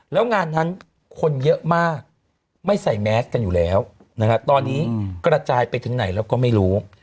แล้วงานนั้นคนเยอะมากไม่ใส่แมสกันอยู่แล้วนะครับตอนนี้กระจายไปถึงไหนแล้วก็ไม่รู้